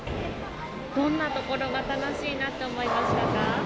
どんなところが楽しいなと思いましたか？